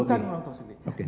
bukan kewenangan toksikologi